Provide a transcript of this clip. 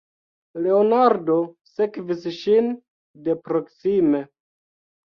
Leonardo sekvis ŝin de proksime.